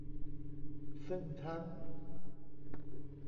ซึ่งทั้ง